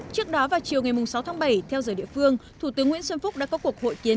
trước đó vào chiều ngày sáu tháng bảy theo giờ địa phương thủ tướng nguyễn xuân phúc đã có cuộc hội kiến